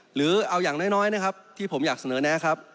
หรือเอาอย่างน้อยนะครับที่ผมอยากเสนอแนะครับ